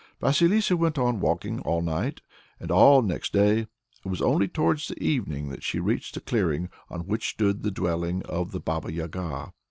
Vasilissa went on walking all night and all next day. It was only towards the evening that she reached the clearing on which stood the dwelling of the Baba Yaga.